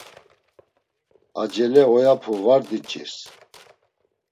Acele oyapu var diç̌irs.